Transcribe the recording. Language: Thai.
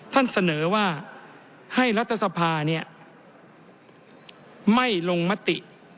ท่านเสนอว่าให้รัฐสภาเนี่ยไม่ลงมติ